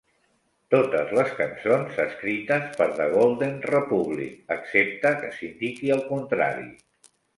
Totes les cançons escrites per The Golden Republic, excepte que s'indiqui el contrari.